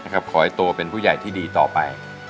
ขอให้โตเป็นผู้ใหญ่ที่ดีต่อไป